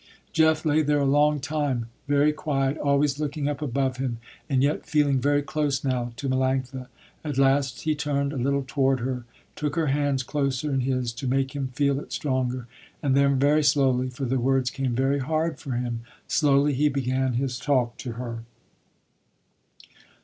Jeff lay there a long time, very quiet, always looking up above him, and yet feeling very close now to Melanctha. At last he turned a little toward her, took her hands closer in his to make him feel it stronger, and then very slowly, for the words came very hard for him, slowly he began his talk to her.